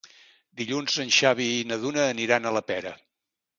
Dilluns en Xavi i na Duna aniran a la Pera.